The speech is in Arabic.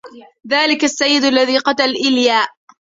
ذلك السيدُ الذي قتل اليأ